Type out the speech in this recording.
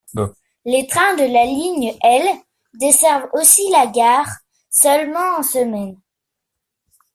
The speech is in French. Les trains de la ligne L desservent aussi la gare, seulement en semaine.